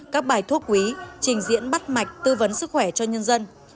các bài thuốc quý trình diễn bắt mạch tư vấn sức khỏe cho nhân dân